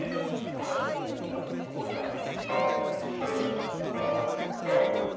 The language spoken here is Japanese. ガーシュウィンの音楽なんてこういうなんか。